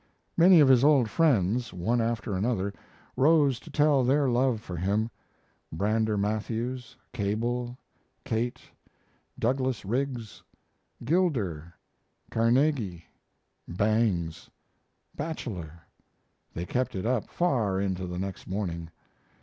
Many of his old friends, one after another, rose to tell their love for him Brander Matthews, Cable, Kate Douglas Riggs, Gilder, Carnegie, Bangs, Bacheller they kept it up far into the next morning.